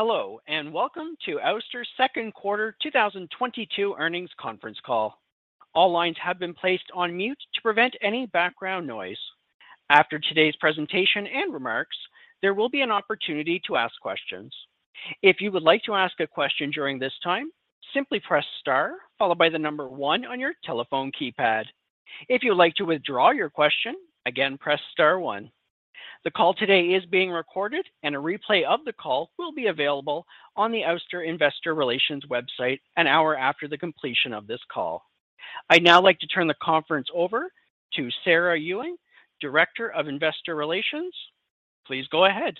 Hello, and welcome to Ouster's Second Quarter 2022 Earnings Conference Call. All lines have been placed on mute to prevent any background noise. After today's presentation and remarks, there will be an opportunity to ask questions. If you would like to ask a question during this time, simply press star followed by the number one on your telephone keypad. If you'd like to withdraw your question, again, press star one. The call today is being recorded, and a replay of the call will be available on the Ouster Investor Relations website an hour after the completion of this call. I'd now like to turn the conference over to Sarah Ewing, Director of Investor Relations. Please go ahead.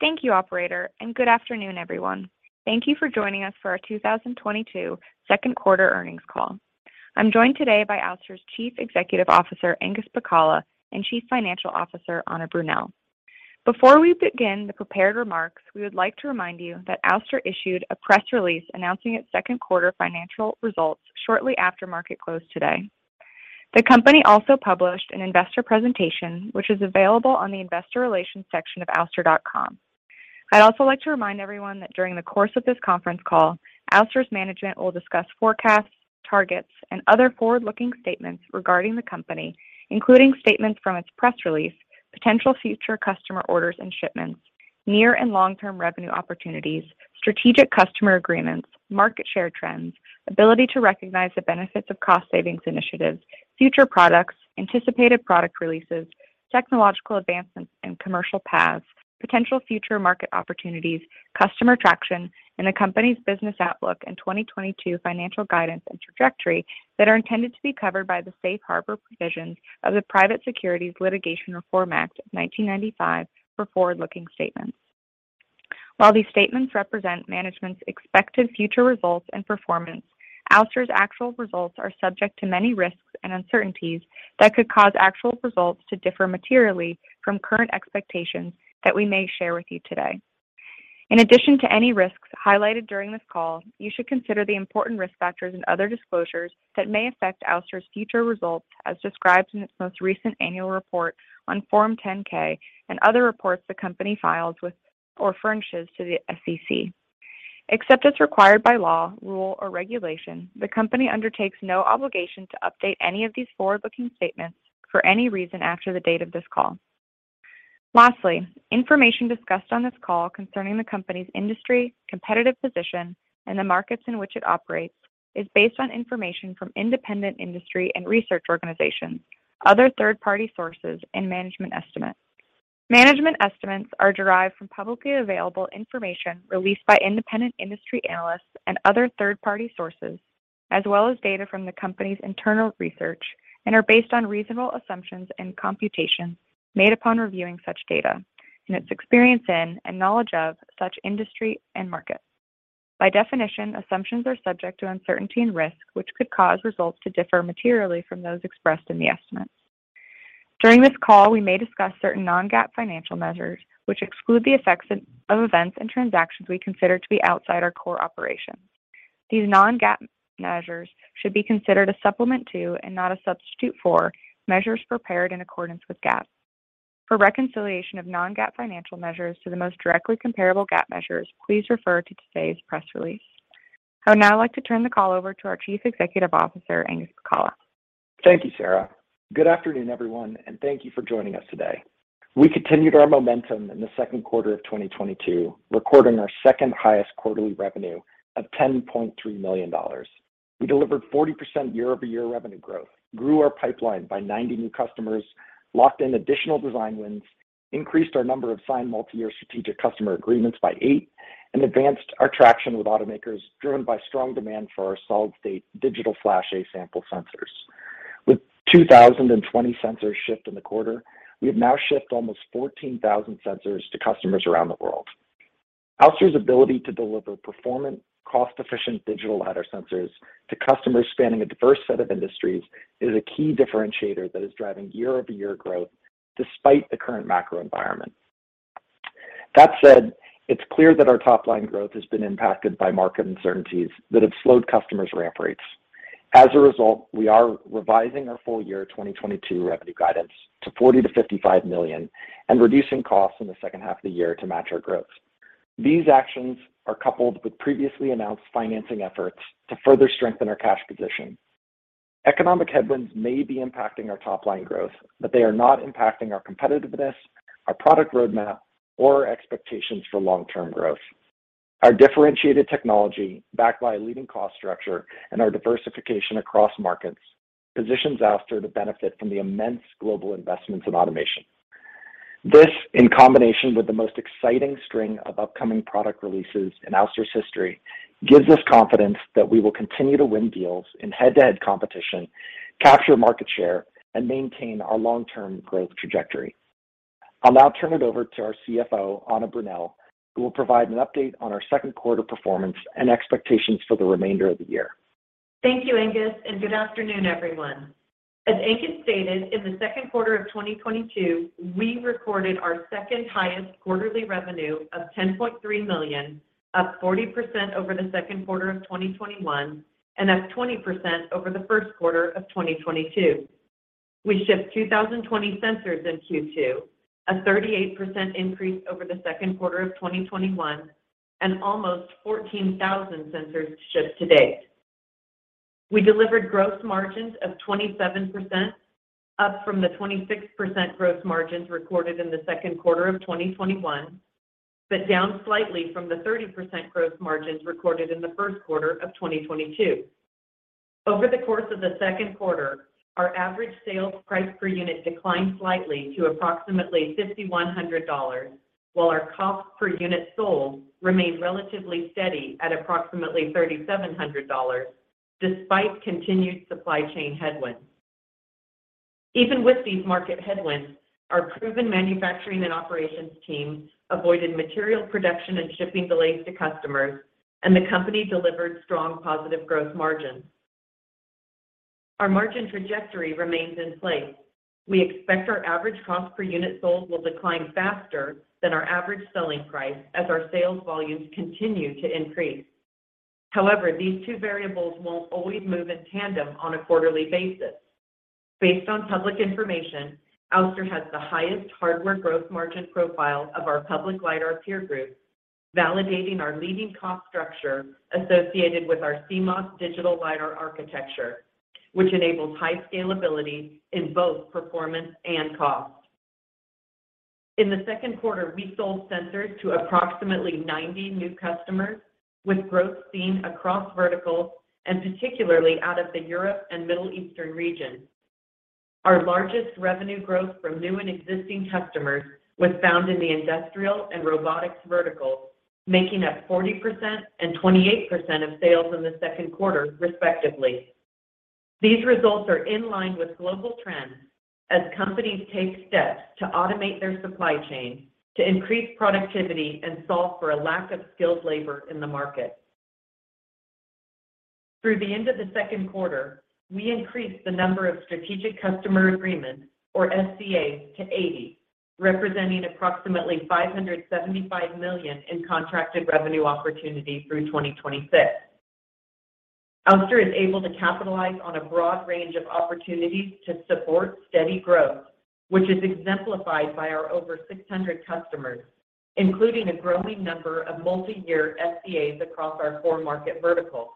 Thank you, operator, and good afternoon, everyone. Thank you for joining us for our 2022 second quarter earnings call. I'm joined today by Ouster's Chief Executive Officer, Angus Pacala, and Chief Financial Officer, Anna Brunelle. Before we begin the prepared remarks, we would like to remind you that Ouster issued a press release announcing its second quarter financial results shortly after market close today. The company also published an investor presentation, which is available on the investor relations section of ouster.com. I'd also like to remind everyone that during the course of this conference call, Ouster's management will discuss forecasts, targets, and other forward-looking statements regarding the company, including statements from its press release. Potential future customer orders and shipments, near and long-term revenue opportunities, strategic customer agreements, market share trends, ability to recognize the benefits of cost savings initiatives, future products, anticipated product releases, technological advancements and commercial paths, potential future market opportunities, customer traction, and the company's business outlook and 2022 financial guidance and trajectory that are intended to be covered by the safe harbor provisions of the Private Securities Litigation Reform Act of 1995 for forward-looking statements. While these statements represent management's expected future results and performance, Ouster's actual results are subject to many risks and uncertainties that could cause actual results to differ materially from current expectations that we may share with you today. In addition to any risks highlighted during this call, you should consider the important risk factors and other disclosures that may affect Ouster's future results as described in its most recent annual report on Form 10-K and other reports the company files with or furnishes to the SEC. Except as required by law, rule, or regulation, the company undertakes no obligation to update any of these forward-looking statements for any reason after the date of this call. Lastly, information discussed on this call concerning the company's industry, competitive position, and the markets in which it operates is based on information from independent industry and research organizations, other third-party sources, and management estimates. Management estimates are derived from publicly available information released by independent industry analysts and other third-party sources, as well as data from the company's internal research, and are based on reasonable assumptions and computations made upon reviewing such data in its experience in and knowledge of such industry and markets. By definition, assumptions are subject to uncertainty and risk, which could cause results to differ materially from those expressed in the estimates. During this call, we may discuss certain non-GAAP financial measures, which exclude the effects of events and transactions we consider to be outside our core operations. These non-GAAP measures should be considered a supplement to, and not a substitute for, measures prepared in accordance with GAAP. For reconciliation of non-GAAP financial measures to the most directly comparable GAAP measures, please refer to today's press release. I would now like to turn the call over to our Chief Executive Officer, Angus Pacala. Thank you, Sarah. Good afternoon, everyone, and thank you for joining us today. We continued our momentum in the second quarter of 2022, recording our second-highest quarterly revenue of $10.3 million. We delivered 40% year-over-year revenue growth, grew our pipeline by 90 new customers, locked in additional design wins, increased our number of signed multi-year strategic customer agreements by eight, and advanced our traction with automakers driven by strong demand for our solid-state Digital Flash sample sensors. With 2,020 sensors shipped in the quarter, we have now shipped almost 14,000 sensors to customers around the world. Ouster's ability to deliver performant, cost-efficient digital lidar sensors to customers spanning a diverse set of industries is a key differentiator that is driving year-over-year growth despite the current macro environment. That said, it's clear that our top-line growth has been impacted by market uncertainties that have slowed customers' ramp rates. As a result, we are revising our full year 2022 revenue guidance to $40 million-$55 million and reducing costs in the second half of the year to match our growth. These actions are coupled with previously announced financing efforts to further strengthen our cash position. Economic headwinds may be impacting our top-line growth, but they are not impacting our competitiveness, our product roadmap, or our expectations for long-term growth. Our differentiated technology, backed by a leading cost structure and our diversification across markets, positions Ouster to benefit from the immense global investments in automation. This, in combination with the most exciting string of upcoming product releases in Ouster's history, gives us confidence that we will continue to win deals in head-to-head competition, capture market share, and maintain our long-term growth trajectory. I'll now turn it over to our CFO, Anna Brunelle, who will provide an update on our second quarter performance and expectations for the remainder of the year. Thank you, Angus, and good afternoon, everyone. As Angus stated, in the second quarter of 2022, we recorded our second-highest quarterly revenue of $10.3 million, up 40% over the second quarter of 2021 and up 20% over the first quarter of 2022. We shipped 2,020 sensors in Q2, a 38% increase over the second quarter of 2021 and almost 14,000 sensors shipped to date. We delivered gross margins of 27%, up from the 26% gross margins recorded in the second quarter of 2021, but down slightly from the 30% gross margins recorded in the first quarter of 2022. Over the course of the second quarter, our average sales price per unit declined slightly to approximately $5,100, while our cost per unit sold remained relatively steady at approximately $3,700 despite continued supply chain headwinds. Even with these market headwinds, our proven manufacturing and operations team avoided material production and shipping delays to customers, and the company delivered strong positive growth margins. Our margin trajectory remains in place. We expect our average cost per unit sold will decline faster than our average selling price as our sales volumes continue to increase. However, these two variables won't always move in tandem on a quarterly basis. Based on public information, Ouster has the highest hardware gross margin profile of our public lidar peer group, validating our leading cost structure associated with our CMOS Digital Lidar Architecture, which enables high scalability in both performance and cost. In the second quarter, we sold sensors to approximately 90 new customers with growth seen across verticals and particularly out of the European and Middle Eastern region. Our largest revenue growth from new and existing customers was found in the industrial and robotics verticals, making up 40% and 28% of sales in the second quarter, respectively. These results are in line with global trends as companies take steps to automate their supply chain to increase productivity and solve for a lack of skilled labor in the market. Through the end of the second quarter, we increased the number of strategic customer agreements or SCAs to 80, representing approximately $575 million in contracted revenue opportunity through 2026. Ouster is able to capitalize on a broad range of opportunities to support steady growth, which is exemplified by our over 600 customers, including a growing number of multi-year SCAs across our four market verticals.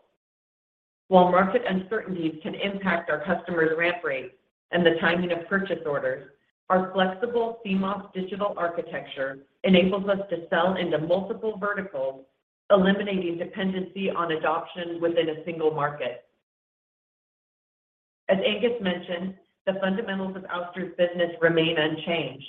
While market uncertainties can impact our customers' ramp rates and the timing of purchase orders, our flexible CMOS digital architecture enables us to sell into multiple verticals, eliminating dependency on adoption within a single market. As Angus mentioned, the fundamentals of Ouster's business remain unchanged.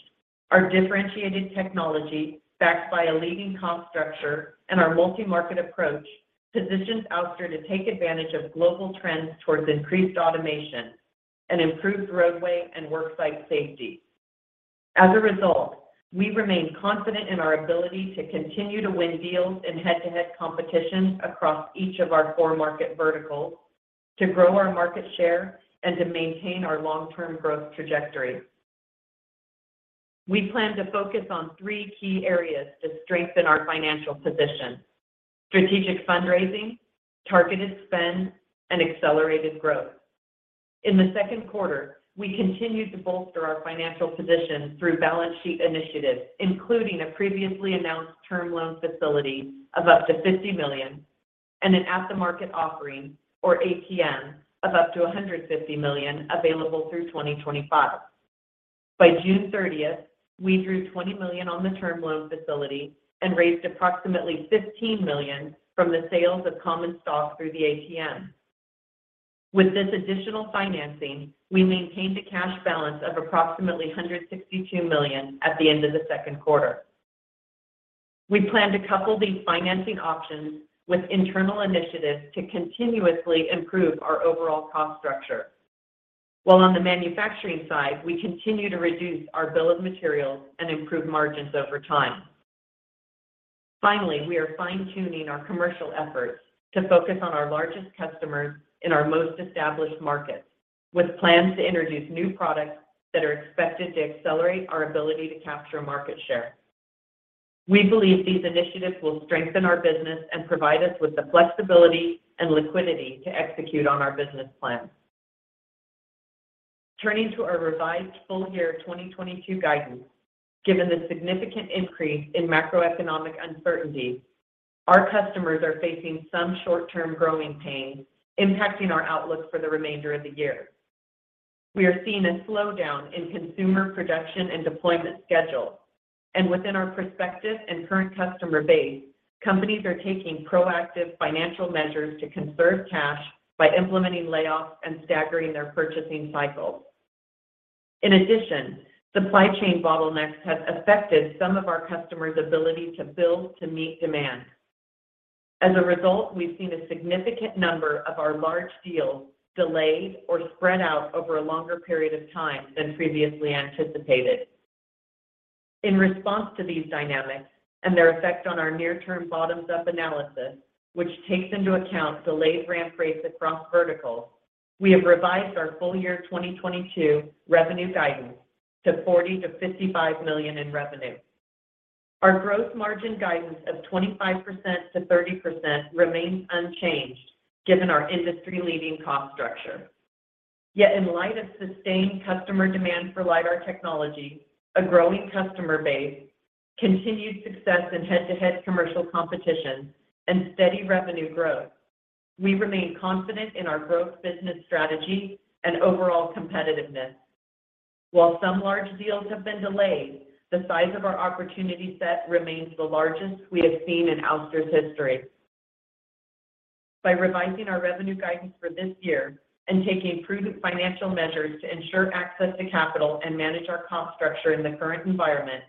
Our differentiated technology, backed by a leading cost structure and our multi-market approach, positions Ouster to take advantage of global trends towards increased automation and improved roadway and worksite safety. As a result, we remain confident in our ability to continue to win deals in head-to-head competition across each of our four market verticals to grow our market share and to maintain our long-term growth trajectory. We plan to focus on three key areas to strengthen our financial position, strategic fundraising, targeted spend, and accelerated growth. In the second quarter, we continued to bolster our financial position through balance sheet initiatives, including a previously announced term loan facility of up to $50 million and an at-the-market offering or ATM of up to $150 million available through 2025. By June 30th, we drew $20 million on the term loan facility and raised approximately $15 million from the sales of common stock through the ATM. With this additional financing, we maintained a cash balance of approximately $162 million at the end of the second quarter. We plan to couple these financing options with internal initiatives to continuously improve our overall cost structure. While on the manufacturing side, we continue to reduce our bill of materials and improve margins over time. Finally, we are fine-tuning our commercial efforts to focus on our largest customers in our most established markets with plans to introduce new products that are expected to accelerate our ability to capture market share. We believe these initiatives will strengthen our business and provide us with the flexibility and liquidity to execute on our business plan. Turning to our revised full-year 2022 guidance, given the significant increase in macroeconomic uncertainty, our customers are facing some short-term growing pains impacting our outlook for the remainder of the year. We are seeing a slowdown in consumer production and deployment schedules, and within our prospective and current customer base, companies are taking proactive financial measures to conserve cash by implementing layoffs and staggering their purchasing cycles. In addition, supply chain bottlenecks have affected some of our customers' ability to build to meet demand. As a result, we've seen a significant number of our large deals delayed or spread out over a longer period of time than previously anticipated. In response to these dynamics and their effect on our near-term bottoms-up analysis, which takes into account delayed ramp rates across verticals, we have revised our full-year 2022 revenue guidance to $40 million-$55 million in revenue. Our gross margin guidance of 25%-30% remains unchanged given our industry-leading cost structure. Yet in light of sustained customer demand for lidar technology, a growing customer base, continued success in head-to-head commercial competition, and steady revenue growth, we remain confident in our growth business strategy and overall competitiveness. While some large deals have been delayed, the size of our opportunity set remains the largest we have seen in Ouster's history. By revising our revenue guidance for this year and taking prudent financial measures to ensure access to capital and manage our cost structure in the current environment,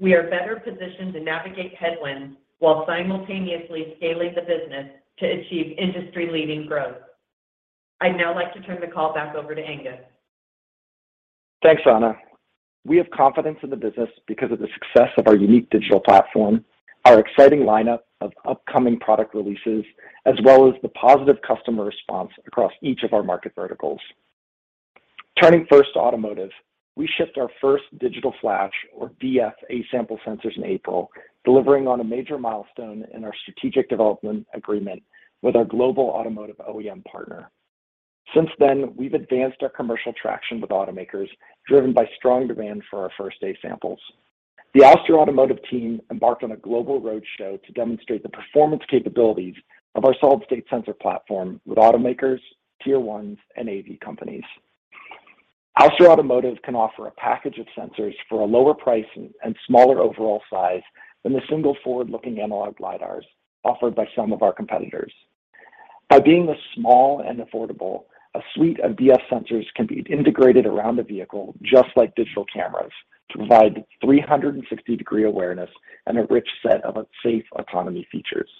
we are better positioned to navigate headwinds while simultaneously scaling the business to achieve industry-leading growth. I'd now like to turn the call back over to Angus. Thanks, Anna. We have confidence in the business because of the success of our unique digital platform, our exciting lineup of upcoming product releases, as well as the positive customer response across each of our market verticals. Turning first to automotive, we shipped our first Digital Flash or DF sample sensors in April, delivering on a major milestone in our strategic development agreement with our global automotive OEM partner. Since then, we've advanced our commercial traction with automakers driven by strong demand for our first DF samples. The Ouster Automotive team embarked on a global roadshow to demonstrate the performance capabilities of our solid-state sensor platform with Automakers, Tier 1s, and AV companies. Ouster Automotive can offer a package of sensors for a lower price and smaller overall size than the single forward-looking analog lidars offered by some of our competitors. By being small and affordable, a suite of DF sensors can be integrated around a vehicle just like digital cameras to provide 360-degree awareness and a rich set of safe autonomy features.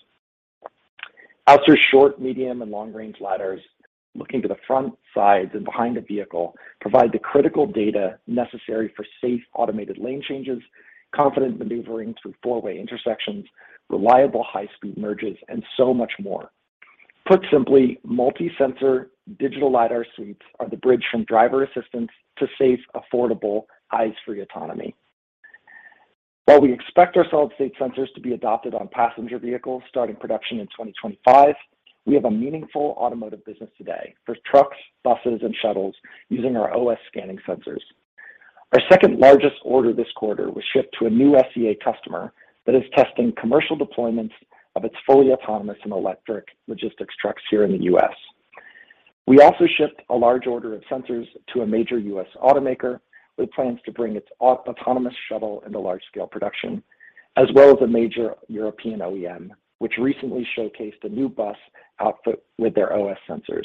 Ouster's short, medium, and long-range lidars looking to the front, sides, and behind a vehicle provide the critical data necessary for safe automated lane changes, confident maneuvering through four-way intersections, reliable high-speed merges, and so much more. Put simply, multi-sensor digital lidar suites are the bridge from driver assistance to safe, affordable, eyes-free autonomy. While we expect our solid-state sensors to be adopted on passenger vehicles starting production in 2025, we have a meaningful automotive business today for trucks, buses, and shuttles using our OS scanning sensors. Our second largest order this quarter was shipped to a new SEA customer that is testing commercial deployments of its fully autonomous and electric logistics trucks here in the U.S. We also shipped a large order of sensors to a major US automaker with plans to bring its autonomous shuttle into large scale production, as well as a major European OEM, which recently showcased a new bus outfit with their OS sensors.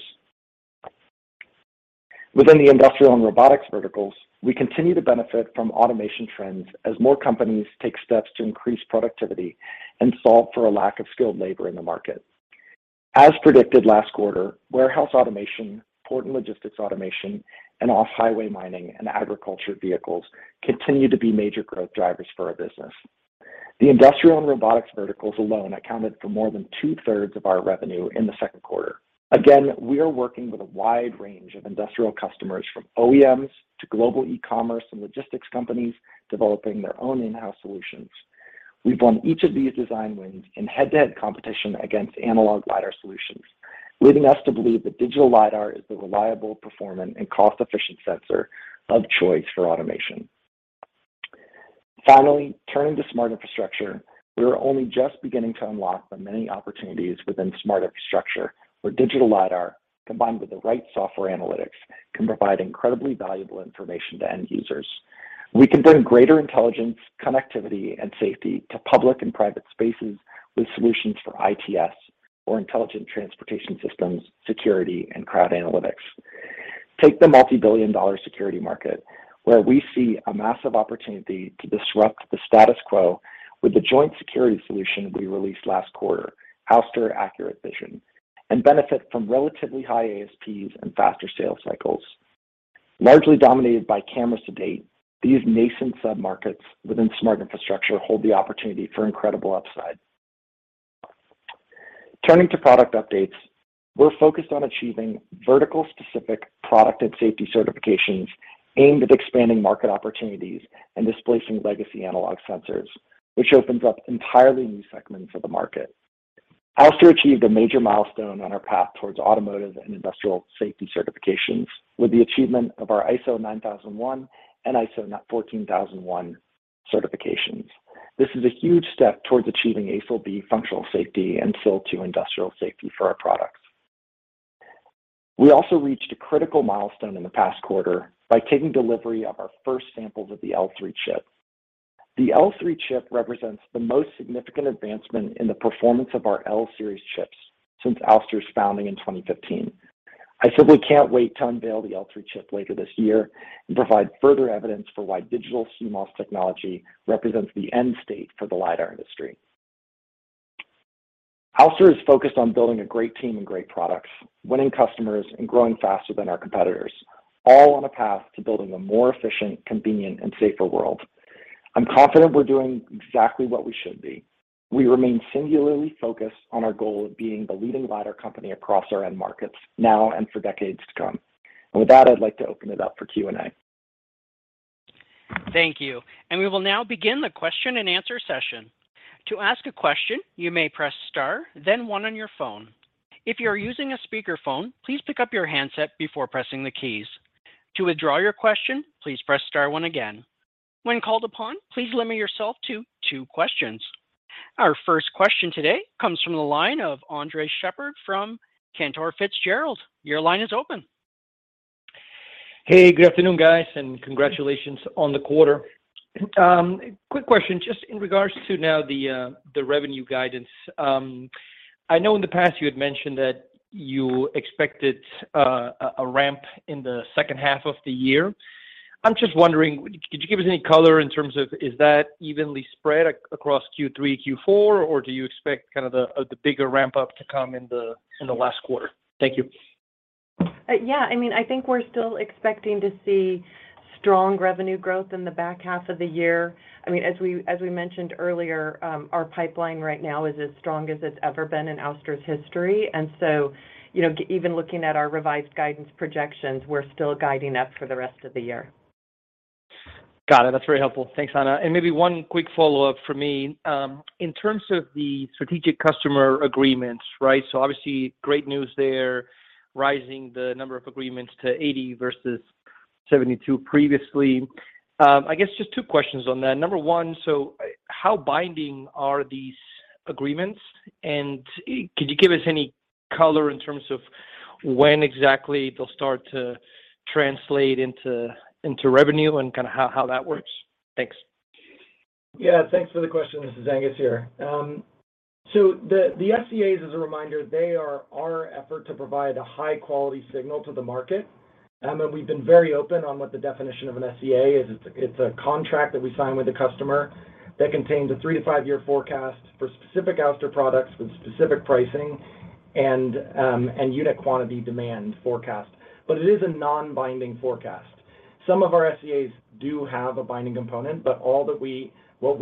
Within the industrial and robotics verticals, we continue to benefit from automation trends as more companies take steps to increase productivity and solve for a lack of skilled labor in the market. As predicted last quarter, warehouse automation, port and logistics automation, and off-highway mining and agriculture vehicles continue to be major growth drivers for our business. The industrial and robotics verticals alone accounted for more than 2/3 of our revenue in the second quarter. Again, we are working with a wide range of industrial customers from OEMs to global ecommerce and logistics companies developing their own in-house solutions. We've won each of these design wins in head-to-head competition against analog lidar solutions, leading us to believe that digital lidar is the reliable, performant, and cost-efficient sensor of choice for automation. Finally, turning to smart infrastructure, we are only just beginning to unlock the many opportunities within smart infrastructure where digital lidar, combined with the right software analytics, can provide incredibly valuable information to end users. We can bring greater intelligence, connectivity, and safety to public and private spaces with solutions for ITS or Intelligent Transportation Systems, security, and crowd analytics. Take the multi-billion-dollar security market where we see a massive opportunity to disrupt the status quo with the joint security solution we released last quarter, Ouster Gemini, and benefit from relatively high ASPs and faster sales cycles. Largely dominated by cameras to date, these nascent submarkets within smart infrastructure hold the opportunity for incredible upside. Turning to product updates, we're focused on achieving vertical-specific product and safety certifications aimed at expanding market opportunities and displacing legacy analog sensors, which opens up entirely new segments of the market. Ouster achieved a major milestone on our path towards automotive and industrial safety certifications with the achievement of our ISO 9001 and ISO 14001 certifications. This is a huge step towards achieving ASIL B functional safety and SIL 2 industrial safety for our products. We also reached a critical milestone in the past quarter by taking delivery of our first samples of the L3 chip. The L3 chip represents the most significant advancement in the performance of our L series chips since Ouster's founding in 2015. I simply can't wait to unveil the L3 chip later this year and provide further evidence for why digital CMOS technology represents the end state for the lidar industry. Ouster is focused on building a great team and great products, winning customers, and growing faster than our competitors, all on a path to building a more efficient, convenient, and safer world. I'm confident we're doing exactly what we should be. We remain singularly focused on our goal of being the leading lidar company across our end markets now and for decades to come. With that, I'd like to open it up for Q&A. Thank you. We will now begin the question-and-answer session. To ask a question, you may press star, then one on your phone. If you are using a speakerphone, please pick up your handset before pressing the keys. To withdraw your question, please press star one again. When called upon, please limit yourself to two questions. Our first question today comes from the line of Andres Sheppard from Cantor Fitzgerald. Your line is open. Hey, good afternoon, guys, and congratulations on the quarter. Quick question, just in regards to now the revenue guidance. I know in the past you had mentioned that you expected a ramp in the second half of the year. I'm just wondering, could you give us any color in terms of is that evenly spread across Q3, Q4, or do you expect kind of the bigger ramp up to come in the last quarter? Thank you. Yeah. I mean, I think we're still expecting to see strong revenue growth in the back half of the year. I mean, as we mentioned earlier, our pipeline right now is as strong as it's ever been in Ouster's history. You know, even looking at our revised guidance projections, we're still guiding up for the rest of the year. Got it. That's very helpful. Thanks, Anna. Maybe one quick follow-up from me. In terms of the strategic customer agreements, right? Obviously great news there, rising the number of agreements to 80 versus 72 previously. I guess just two questions on that. Number one, how binding are these agreements? And could you give us any color in terms of when exactly they'll start to translate into revenue and kind of how that works? Thanks. Yeah, thanks for the question. This is Angus here. The SCAs, as a reminder, they are our effort to provide a high-quality signal to the market. We've been very open on what the definition of an SCA is. It's a contract that we sign with a customer that contains a 3-5 year forecast for specific Ouster products with specific pricing and unit quantity demand forecast. It is a non-binding forecast. Some of our SCAs do have a binding component, but what we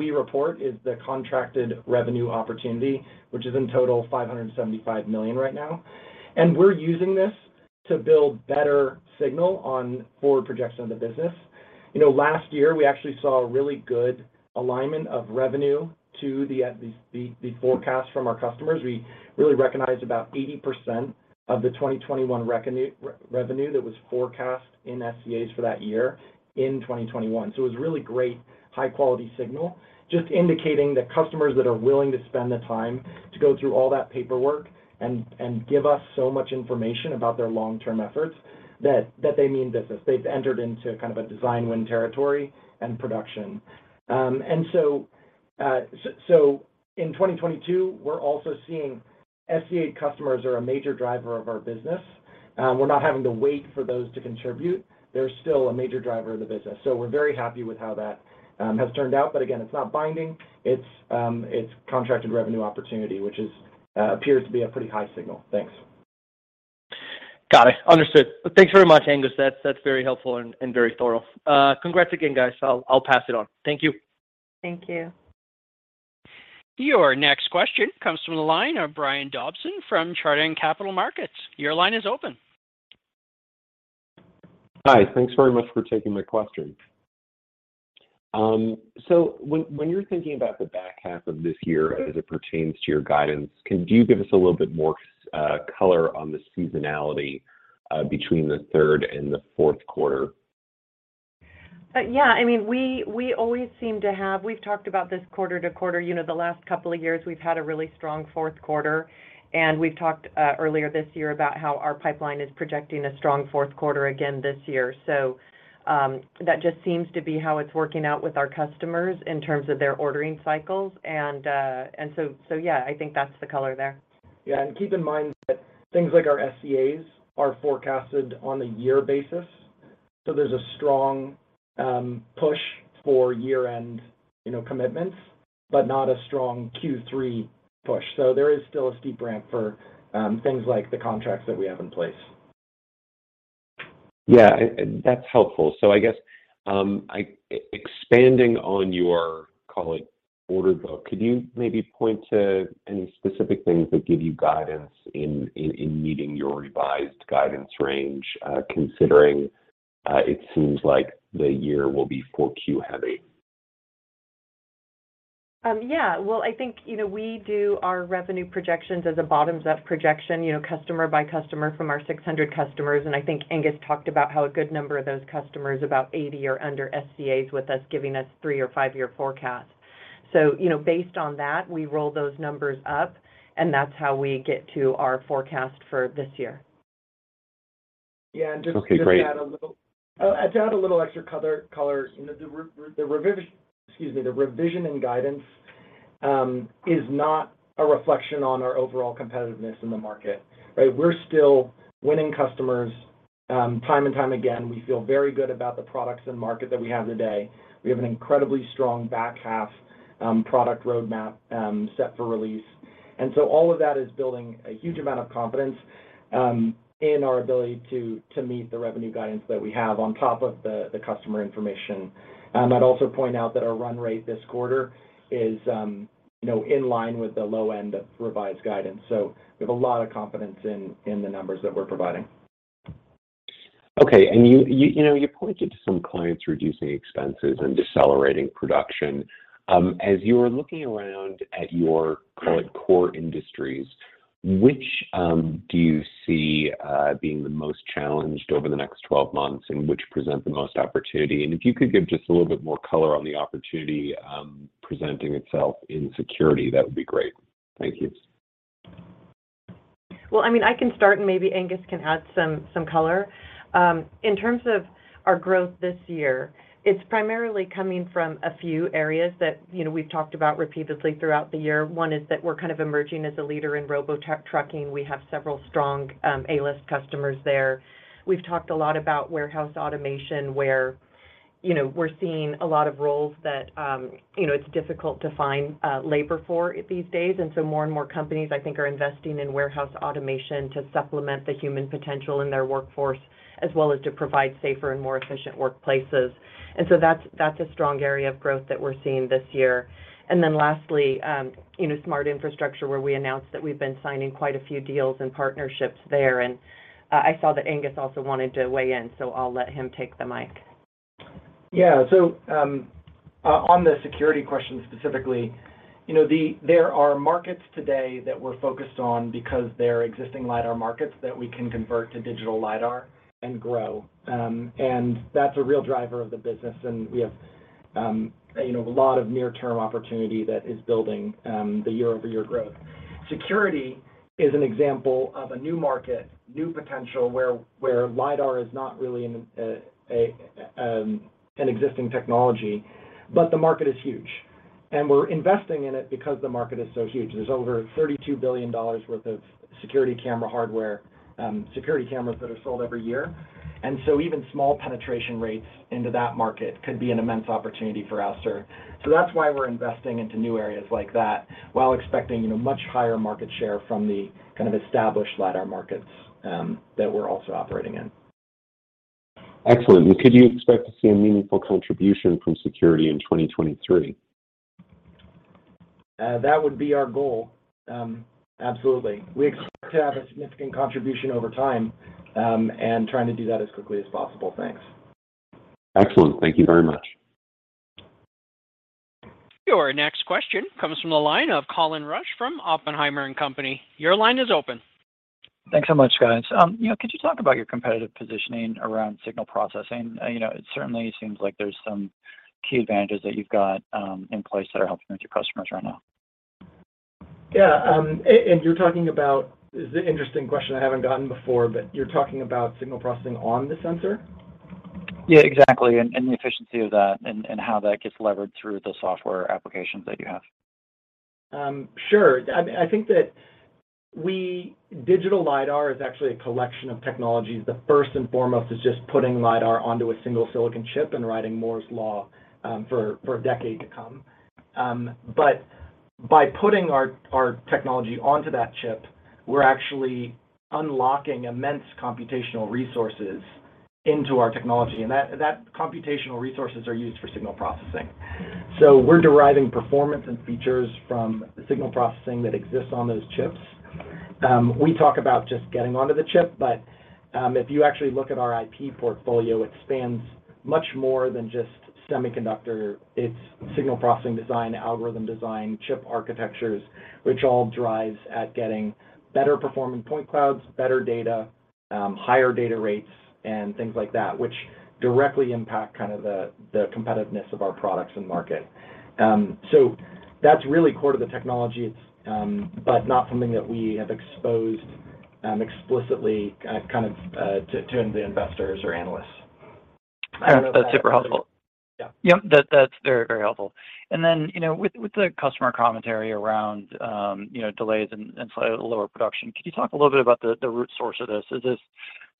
report is the contracted revenue opportunity, which is in total $575 million right now. We're using this to build better signal on forward projection of the business. You know, last year, we actually saw a really good alignment of revenue to the forecast from our customers. We really recognized about 80% of the 2021 revenue that was forecast in SCAs for that year in 2021. It was really great high-quality signal, just indicating that customers that are willing to spend the time to go through all that paperwork and give us so much information about their long-term efforts that they mean business. They've entered into kind of a design win territory and production. In 2022, we're also seeing SCA customers are a major driver of our business. We're not having to wait for those to contribute. They're still a major driver of the business. We're very happy with how that has turned out. Again, it's not binding. It's contracted revenue opportunity, which appears to be a pretty high signal. Thanks. Got it. Understood. Thanks very much, Angus. That's very helpful and very thorough. Congrats again, guys. I'll pass it on. Thank you. Thank you. Your next question comes from the line of Brian Dobson from Chardan Capital Markets. Your line is open. Hi. Thanks very much for taking my question. When you're thinking about the back half of this year as it pertains to your guidance, can you give us a little bit more color on the seasonality between the third and the fourth quarter? Yeah. I mean, we always seem to have. We've talked about this quarter to quarter, you know, the last couple of years, we've had a really strong fourth quarter, and we've talked earlier this year about how our pipeline is projecting a strong fourth quarter again this year. That just seems to be how it's working out with our customers in terms of their ordering cycles. Yeah, I think that's the color there. Keep in mind that things like our SCAs are forecasted on a year basis. There's a strong push for year-end, you know, commitments, but not a strong Q3 push. There is still a steep ramp for things like the contracts that we have in place. That's helpful. I guess expanding on your, call it, order book, could you maybe point to any specific things that give you guidance in meeting your revised guidance range, considering it seems like the year will be 4Q heavy? Yeah. Well, I think, you know, we do our revenue projections as a bottoms-up projection, you know, customer by customer from our 600 customers. I think Angus talked about how a good number of those customers, about 80 are under SCAs with us, giving us three or five year forecast. You know, based on that, we roll those numbers up, and that's how we get to our forecast for this year. Yeah. Okay, great. To add a little extra color, you know, the revision in guidance is not a reflection on our overall competitiveness in the market, right? We're still winning customers time and time again. We feel very good about the products and market that we have today. We have an incredibly strong back half product roadmap set for release. All of that is building a huge amount of confidence in our ability to meet the revenue guidance that we have on top of the customer information. I'd also point out that our run rate this quarter is, you know, in line with the low end of revised guidance. We have a lot of confidence in the numbers that we're providing. Okay. You know, you pointed to some clients reducing expenses and decelerating production. As you were looking around at your call it core industries, which do you see being the most challenged over the next 12 months, and which present the most opportunity? If you could give just a little bit more color on the opportunity presenting itself in security, that would be great. Thank you. Well, I mean, I can start, and maybe Angus can add some color. In terms of our growth this year, it's primarily coming from a few areas that, you know, we've talked about repeatedly throughout the year. One is that we're kind of emerging as a leader in robo tech trucking. We have several strong, A-list customers there. We've talked a lot about warehouse automation, where, you know, we're seeing a lot of roles that, you know, it's difficult to find labor for these days. More and more companies, I think, are investing in warehouse automation to supplement the human potential in their workforce, as well as to provide safer and more efficient workplaces. That's a strong area of growth that we're seeing this year. Lastly, you know, smart infrastructure, where we announced that we've been signing quite a few deals and partnerships there. I saw that Angus also wanted to weigh in, so I'll let him take the mic. Yeah. On the security question specifically, you know, there are markets today that we're focused on because they're existing lidar markets that we can convert to digital lidar and grow. That's a real driver of the business, and we have, you know, a lot of near-term opportunity that is building the year-over-year growth. Security is an example of a new market, new potential, where lidar is not really an existing technology, but the market is huge. We're investing in it because the market is so huge. There's over $32 billion worth of security camera hardware, security cameras that are sold every year. Even small penetration rates into that market could be an immense opportunity for Ouster. That's why we're investing into new areas like that while expecting, you know, much higher market share from the kind of established lidar markets that we're also operating in. Excellent. Could you expect to see a meaningful contribution from security in 2023? That would be our goal. Absolutely. We expect to have a significant contribution over time, and trying to do that as quickly as possible. Thanks. Excellent. Thank you very much. Your next question comes from the line of Colin Rusch from Oppenheimer & Company. Your line is open. Thanks so much, guys. You know, could you talk about your competitive positioning around signal processing? You know, it certainly seems like there's some key advantages that you've got in place that are helping with your customers right now. Yeah. This is an interesting question I haven't gotten before, but you're talking about signal processing on the sensor? Yeah, exactly. The efficiency of that and how that gets leveraged through the software applications that you have. Sure. I think digital lidar is actually a collection of technologies. The first and foremost is just putting lidar onto a single silicon chip and riding Moore's Law for a decade to come. By putting our technology onto that chip, we're actually unlocking immense computational resources into our technology, and that computational resources are used for signal processing. We're deriving performance and features from the signal processing that exists on those chips. We talk about just getting onto the chip, but if you actually look at our IP portfolio, it spans much more than just semiconductor. It's signal processing design, algorithm design, chip architectures, which all drives at getting better performing point clouds, better data, higher data rates, and things like that, which directly impact the competitiveness of our products in the market. That's really core to the technology. It's but not something that we have exposed explicitly kind of to the investors or analysts. That's super helpful. Yeah. Yep. That's very, very helpful. Then, you know, with the customer commentary around, you know, delays and slightly lower production, could you talk a little bit about the root source of this? Is this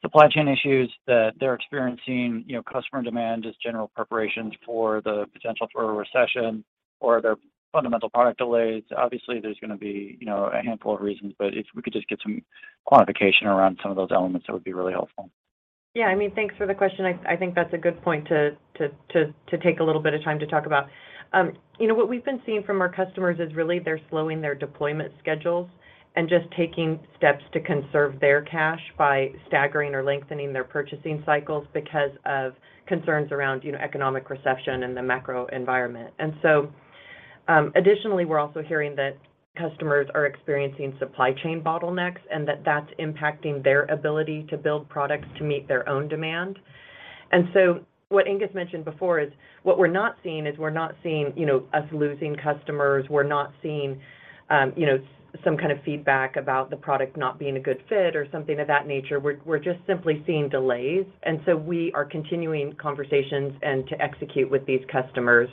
supply chain issues that they're experiencing, you know, customer demand, just general preparations for the potential for a recession or other fundamental product delays? Obviously, there's gonna be, you know, a handful of reasons, but if we could just get some quantification around some of those elements, that would be really helpful. Yeah. I mean, thanks for the question. I think that's a good point to take a little bit of time to talk about. You know, what we've been seeing from our customers is really they're slowing their deployment schedules and just taking steps to conserve their cash by staggering or lengthening their purchasing cycles because of concerns around, you know, economic recession and the macro environment. Additionally, we're also hearing that customers are experiencing supply chain bottlenecks and that's impacting their ability to build products to meet their own demand. What Angus mentioned before is we're not seeing, you know, us losing customers. We're not seeing you know, some kind of feedback about the product not being a good fit or something of that nature. We're just simply seeing delays. We are continuing conversations and to execute with these customers.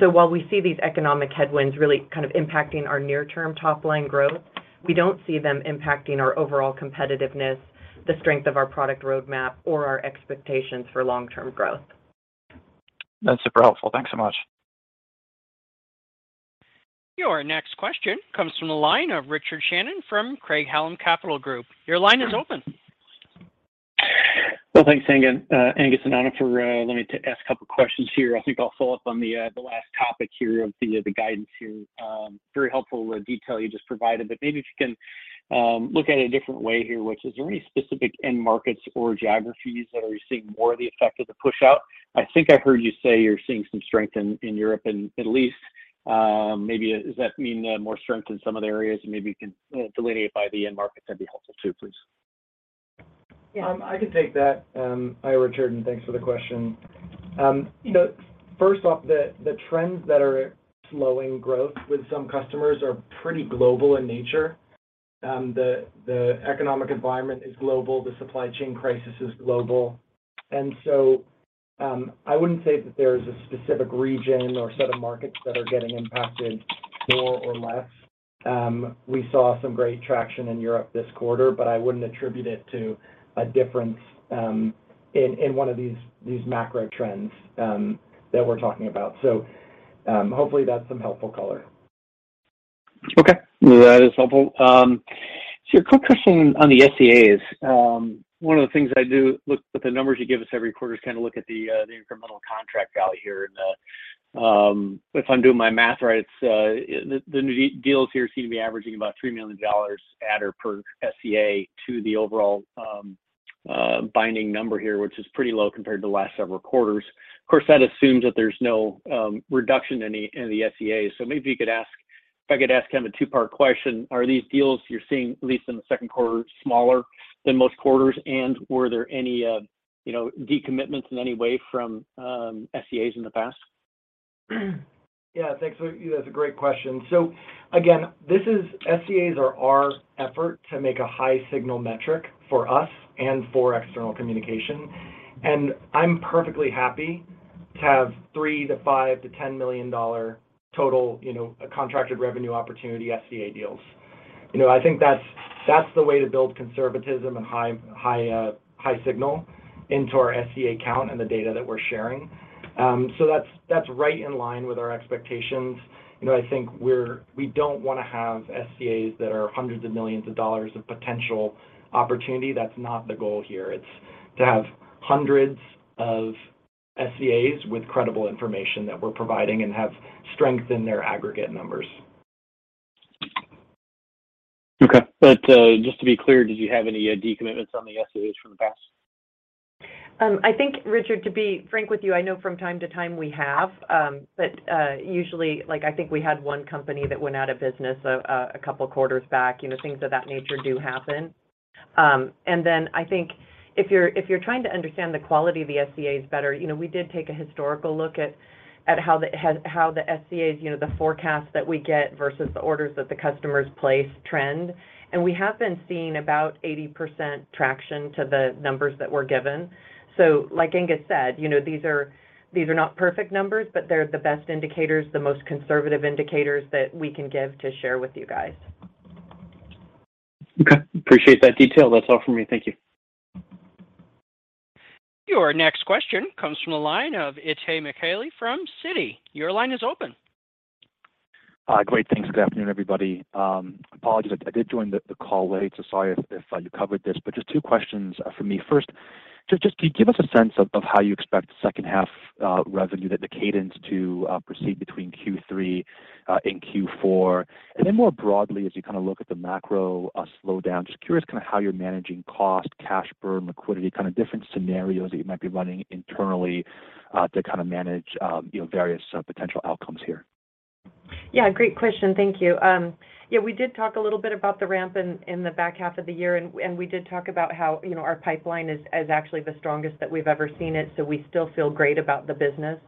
While we see these economic headwinds really kind of impacting our near-term top-line growth, we don't see them impacting our overall competitiveness, the strength of our product roadmap or our expectations for long-term growth. That's super helpful. Thanks so much. Your next question comes from the line of Richard Shannon from Craig-Hallum Capital Group. Your line is open. Well, thanks, Angus and Anna, for allowing me to ask a couple questions here. I think I'll follow up on the last topic here of the guidance here. Very helpful, the detail you just provided. Maybe if you can look at it a different way here, which is, are there any specific end markets or geographies that are receiving more of the effect of the push-out? I think I heard you say you're seeing some strength in Europe and Middle East. Maybe does that mean there are more strength in some other areas? And maybe you can delineate by the end markets, that'd be helpful too, please. Yeah. I can take that. Hi Richard, and thanks for the question. You know, first off, the trends that are slowing growth with some customers are pretty global in nature. The economic environment is global. The supply chain crisis is global. I wouldn't say that there's a specific region or set of markets that are getting impacted more or less. We saw some great traction in Europe this quarter, but I wouldn't attribute it to a difference in one of these macro trends that we're talking about. Hopefully that's some helpful color. Okay. That is helpful. So a quick question on the SCAs. One of the things I do look with the numbers you give us every quarter is kinda look at the incremental contract value here. If I'm doing my math right, the new deals here seem to be averaging about $3 million at or per SCA to the overall binding number here, which is pretty low compared to the last several quarters. Of course, that assumes that there's no reduction in the SCAs. So maybe you could ask if I could ask kind of a two-part question. Are these deals you're seeing, at least in the second quarter, smaller than most quarters? And were there any, you know, decommitments in any way from SCAs in the past? Yeah. Thanks. That's a great question. Again, this is SCAs are our effort to make a high signal metric for us and for external communication. I'm perfectly happy to have $3 million-$5 millon-$10-million total, you know, contracted revenue opportunity SCA deals. You know, I think that's the way to build conservatism and high signal into our SCA count and the data that we're sharing. That's right in line with our expectations. You know, I think we don't wanna have SCAs that are hundreds of millions of dollars of potential opportunity. That's not the goal here. It's to have hundreds of SCAs with credible information that we're providing and have strength in their aggregate numbers. Okay. Just to be clear, did you have any decommitments on the SCAs from the past? I think, Richard, to be frank with you, usually, like I think we had one company that went out of business a couple quarters back. You know, things of that nature do happen. I think if you're trying to understand the quality of the SCAs better, you know, we did take a historical look at how the SCAs, you know, the forecast that we get versus the orders that the customers place trend. We have been seeing about 80% traction to the numbers that we're given. Like Angus said, you know, these are not perfect numbers, but they're the best indicators, the most conservative indicators that we can give to share with you guys. Okay. Appreciate that detail. That's all for me. Thank you. Your next question comes from the line of Itay Michaeli from Citi. Your line is open. Great. Thanks. Good afternoon, everybody. Apologies, I did join the call late, so sorry if you covered this. Just two questions from me. First, just can you give us a sense of how you expect the second half revenue, the cadence to proceed between Q3 and Q4? More broadly, as you kinda look at the macro slowdown, just curious kinda how you're managing cost, cash burn, liquidity, kinda different scenarios that you might be running internally to kinda manage you know, various potential outcomes here. Yeah, great question. Thank you. Yeah, we did talk a little bit about the ramp in the back half of the year, and we did talk about how, you know, our pipeline is actually the strongest that we've ever seen it, so we still feel great about the business.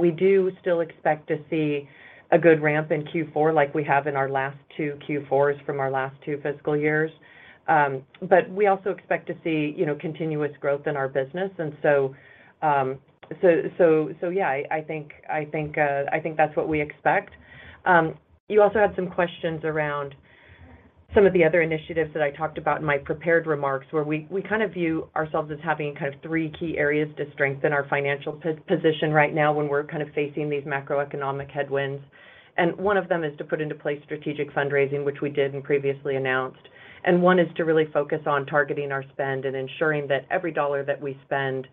We do still expect to see a good ramp in Q4 like we have in our last two Q4s from our last two fiscal years. We also expect to see, you know, continuous growth in our business. Yeah, I think that's what we expect. You also had some questions around some of the other initiatives that I talked about in my prepared remarks, where we kind of view ourselves as having kind of three key areas to strengthen our financial position right now when we're kind of facing these macroeconomic headwinds. One of them is to put into place strategic fundraising, which we did and previously announced. One is to really focus on targeting our spend and ensuring that every dollar that we spend,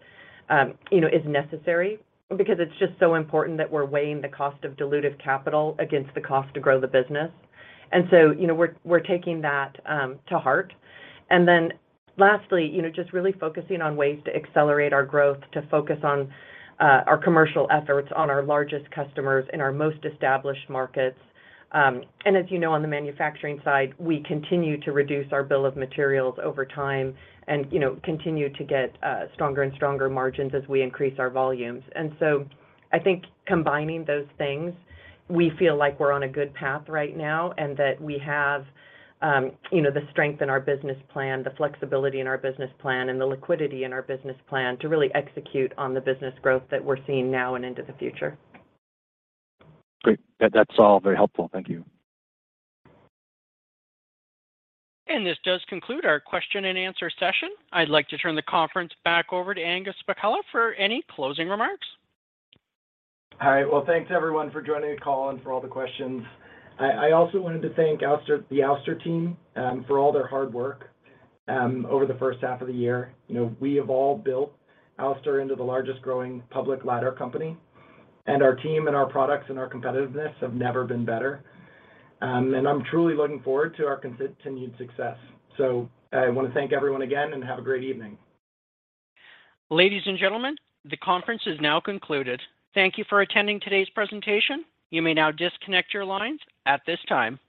you know, is necessary because it's just so important that we're weighing the cost of dilutive capital against the cost to grow the business. You know, we're taking that to heart. Lastly, you know, just really focusing on ways to accelerate our growth, to focus on our commercial efforts on our largest customers in our most established markets. As you know, on the manufacturing side, we continue to reduce our bill of materials over time and, you know, continue to get stronger and stronger margins as we increase our volumes. I think combining those things, we feel like we're on a good path right now, and that we have, you know, the strength in our business plan, the flexibility in our business plan, and the liquidity in our business plan to really execute on the business growth that we're seeing now and into the future. Great. That's all very helpful. Thank you. This does conclude our question and answer session. I'd like to turn the conference back over to Angus Pacala for any closing remarks. All right. Well, thanks everyone for joining the call and for all the questions. I also wanted to thank Ouster, the Ouster team, for all their hard work over the first half of the year. You know, we have all built Ouster into the largest growing public lidar company, and our team and our products and our competitiveness have never been better. I'm truly looking forward to our continued success. I wanna thank everyone again, and have a great evening. Ladies and gentlemen, the conference is now concluded. Thank you for attending today's presentation. You may now disconnect your lines at this time.